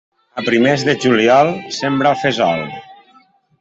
A primers de juliol, sembra el fesol.